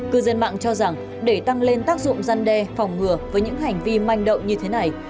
cư dân mạng cho rằng để tăng lên tác dụng gian đe phòng ngừa với những hành vi manh động như thế này